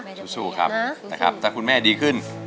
แต่ครับถ้าคุณแม่ดีขึ้น